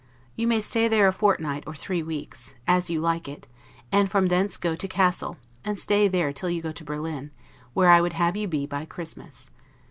You may stay there a fortnight or three weeks, as you like it; and from thence go to Cassel, and stay there till you go to Berlin; where I would have you be by Christmas.